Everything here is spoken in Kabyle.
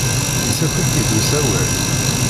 Yessaki-k-id usawal?